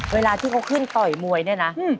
เวลาที่เขาขึ้นต่อยมวยเนี่ยนะ